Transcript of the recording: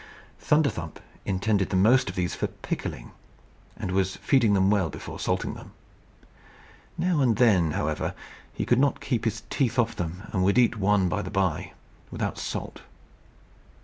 Thunderthump intended the most of these for pickling, and was feeding them well before salting them. Now and then, however, he could not keep his teeth off them, and would eat one by the bye, without salt.